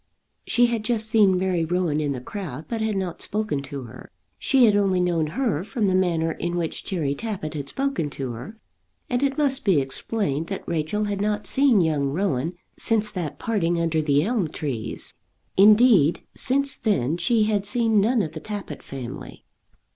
She had just seen Mary Rowan in the crowd, but had not spoken to her. She had only known her from the manner in which Cherry Tappitt had spoken to her, and it must be explained that Rachel had not seen young Rowan since that parting under the elm trees. Indeed, since then she had seen none of the Tappitt family.